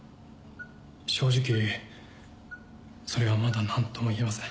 正直それはまだなんとも言えません。